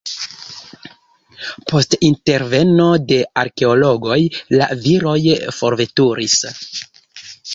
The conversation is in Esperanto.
Post interveno de arkeologoj la viroj forveturis.